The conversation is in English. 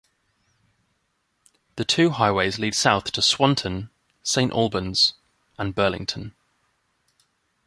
The two highways lead south to Swanton, Saint Albans, and Burlington.